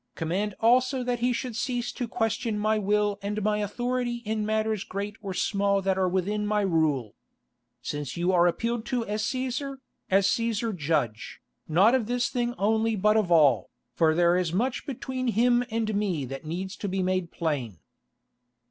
Command also that he should cease to question my will and my authority in matters great or small that are within my rule. Since you are appealed to as Cæsar, as Cæsar judge, not of this thing only but of all, for there is much between him and me that needs to be made plain."